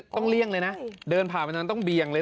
เลี่ยงเลยนะเดินผ่านไปนั้นต้องเบี่ยงเลย